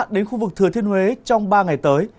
đến khu vực thừa thiên huế trong ba ngày tới